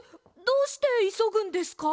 どうしていそぐんですか？